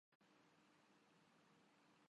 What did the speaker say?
ایک بین الاقوامی ادارے کے قیام پر غور کیا گیا